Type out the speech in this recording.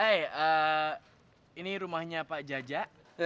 hei eh ini rumahnya pak jaja